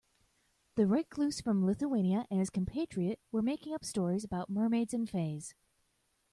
The recluse from Lithuania and his compatriot were making up stories about mermaids and fays.